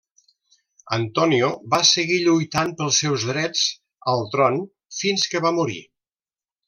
Antonio va seguir lluitant pels seus drets al tron fins que va morir.